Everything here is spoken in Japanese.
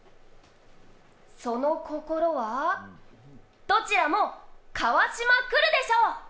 そのココロは、どちらもかわしまくるでしょう。